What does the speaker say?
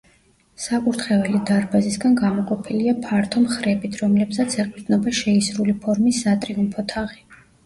საკურთხეველი დარბაზისგან გამოყოფილია ფართო მხრებით, რომლებსაც ეყრდნობა შეისრული ფორმის სატრიუმფო თაღი.